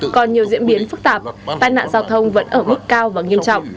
còn nhiều diễn biến phức tạp tai nạn giao thông vẫn ở mức cao và nghiêm trọng